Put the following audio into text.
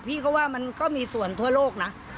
พี่ก็ว่ามันก็มีส่วนทั่วโลกนะ